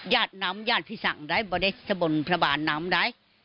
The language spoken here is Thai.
บาดได้สบนพระบาทน้ำได้